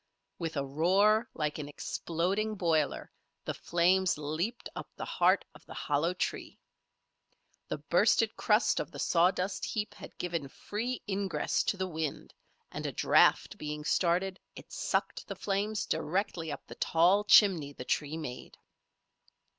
With a roar like an exploding boiler, the flames leaped up the heart of the hollow tree. The bursted crust of the sawdust heap had given free ingress to the wind, and a draught being started, it sucked the flames directly up the tall chimney the tree made.